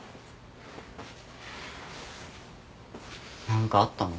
何かあったの？